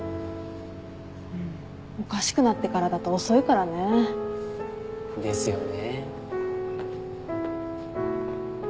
うんおかしくなってからだと遅いからね。ですよね。